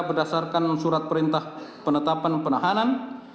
berdasarkan surat perintah penetapan penahanan